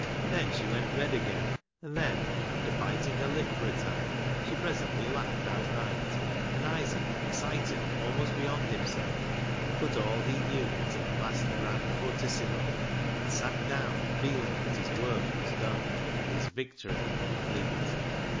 Then she went red again, and then, after biting her lip for a time, she presently laughed outright, and Isaac, ex cited almost beyond himself, put all he knew into the last grand fortissimo, and sat down, feeling that his work was done and his victory complete.